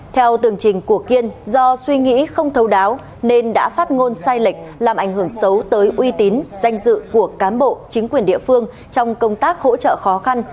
theo tường trình của kiên do suy nghĩ không thấu đáo nên đã phát ngôn sai lệch làm ảnh hưởng xấu tới uy tín danh dự của cám bộ chính quyền địa phương trong công tác hỗ trợ khó khăn